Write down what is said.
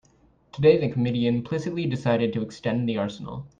Today the committee implicitly decided to extend the arsenal.